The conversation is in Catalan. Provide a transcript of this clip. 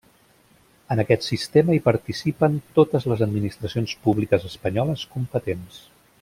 En aquest sistema hi participen totes les administracions públiques espanyoles competents.